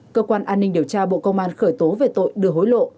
cơ quan an ninh điều tra bộ công an khởi tố về tội đưa hối lộ